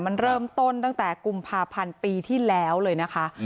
มันเริ่มต้นตั้งแต่กุมภาพันธ์ปีที่แล้วเลยนะคะ